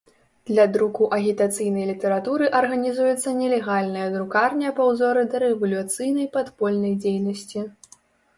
Для друку агітацыйнай літаратуры арганізуецца нелегальная друкарня па ўзоры дарэвалюцыйнай падпольнай дзейнасці.